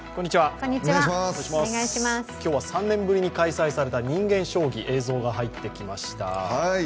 今日は３年ぶりに開催された人間将棋映像が入ってきました。